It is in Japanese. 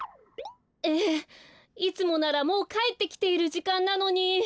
ええいつもならもうかえってきているじかんなのに。